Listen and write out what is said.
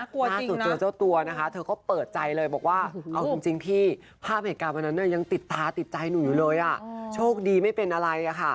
กลัวตรงเจ้าตัวนะคะเธอก็เปิดใจเลยบอกว่าเอาคุณจริงพี่ภาพเหตุกราบเหมือนันนั่นเนี่ยยังติดตาติดใจหนูอยู่เลยอ่ะโชคดีไม่เป็นอะไรนะคะ